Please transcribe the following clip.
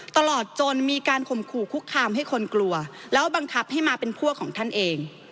ตลอดจนมีการข่มขู่คุกคามให้คนกลัวแล้วบังคับให้มาเป็นพวกของท่านเอง